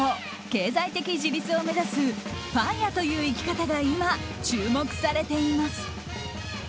経済的自立を目指すＦＩＲＥという生き方が今、注目されています。